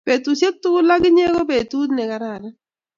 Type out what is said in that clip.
petusiek tugul ak inye ko petut ne kararan